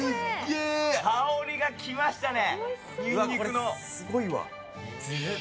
香りがきましたね。